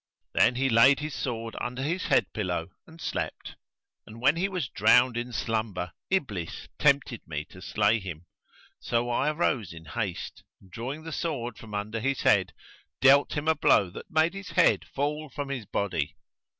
Then he laid his sword under his head pillow and slept; and when he was drowned in slumber Iblis tempted me to slay him; so I arose in haste, and drawing the sword from under his head, dealt him a blow that made his head fall from his body.